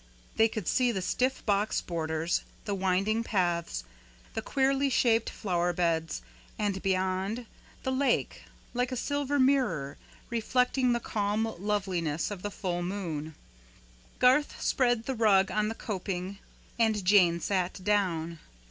They could see the stiff box borders, the winding paths, the queerly shaped flower beds, and, beyond, the lake, like a silver mirror, reflecting the calm loveliness of the full moon. Garth spread the rug on the coping, and Jane sat down.